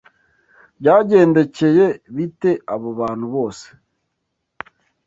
Byagendekeye bite abo bantu bose?